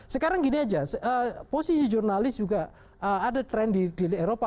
sekarang gini aja posisi jurnalis juga ada trend di jnp ya